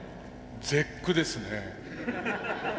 絶句ですね。